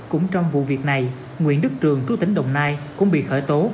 cũng trong vụ việc này nguyễn đức trường chú tỉnh đồng nai cũng bị khởi tố